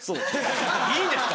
いいんですか？